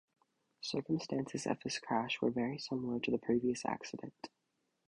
Circumstances of this crash were very similar to the previous accident.